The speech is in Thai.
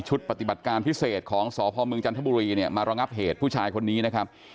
ปฏิบัติการพิเศษของสพมจันทบุรีเนี่ยมาระงับเหตุผู้ชายคนนี้นะครับ